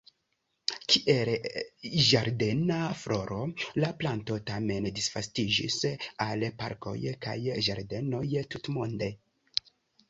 Kiel ĝardena floro, la planto tamen disvastiĝis al parkoj kaj ĝardenoj tutmonde.